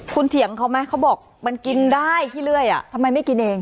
คุณเถียงเขาไหมเขาบอกมันกินได้ขี้เลื่อยทำไมไม่กินเอง